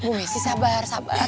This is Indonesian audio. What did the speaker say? bu messi sabar sabar